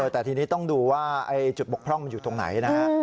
แต่ทีนี้ต้องดูว่าจุดบกพร่องมันอยู่ตรงไหนนะฮะ